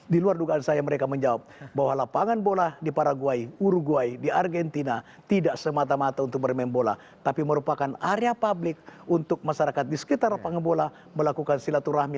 di luar dugaan saya mereka menjawab bahwa lapangan bola di paraguay uruguay di argentina tidak semata mata untuk bermain bola tapi merupakan area publik untuk masyarakat di sekitar lapangan bola melakukan silaturahmi